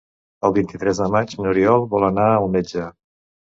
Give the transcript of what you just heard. El vint-i-tres de maig n'Oriol vol anar al metge.